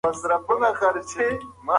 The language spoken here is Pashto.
د مېګرین بشپړ درملنه لا وخت ته اړتیا لري.